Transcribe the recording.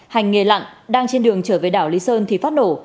hành nghề lặng đang trên đường trở về đảo lý sơn thì phát nổ